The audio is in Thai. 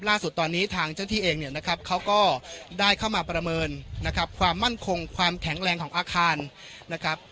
ล่าสุดตอนนี้ทางเจ้าที่เองเนี่ยนะครับเขาก็ได้เข้ามาประเมินนะครับความมั่นคงความแข็งแรงของอาคารนะครับ